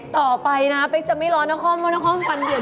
ต่อไปนะเป๊กจะไม่ร้อนนครว่านครฟันเดี่ยนอยู่เดียว